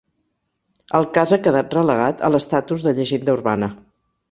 El cas ha quedat relegat a l'estatus de llegenda urbana.